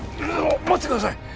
待ってください。